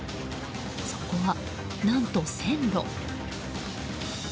そこは、何と線路。